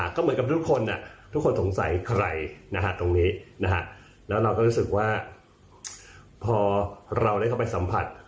ก็เหมือนกับทุกคนทุกคนสงสัยใครนะฮะตรงนี้แล้วเราก็รู้สึกว่าพอเราได้เข้าไปสัมผัส